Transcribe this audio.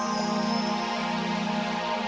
tidak aku lupa